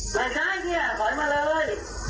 ไม่ได้เหี้ยขอยมาเลย